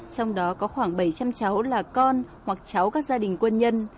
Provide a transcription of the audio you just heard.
trong đó có khoảng bảy trăm linh cháu là con hoặc cháu các gia đình quân nhân